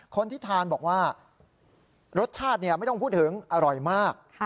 คนที่ทานบอกว่ารสชาติไม่ต้องพูดถึงอร่อยมาก